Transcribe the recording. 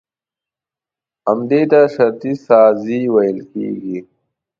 همدې ته شرطي سازي ويل کېږي.